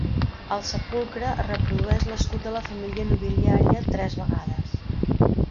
Al sepulcre es reprodueix l'escut de la família nobiliària, tres vegades.